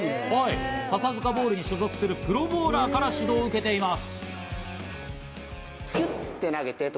笹塚ボウルに所属するプロボウラーから指導を受けています。